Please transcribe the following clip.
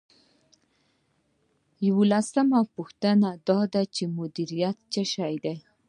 دیارلسمه پوښتنه دا ده چې مدیریت څه شی دی.